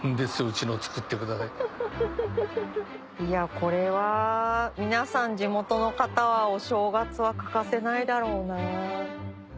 これは皆さん地元の方はお正月は欠かせないだろうな。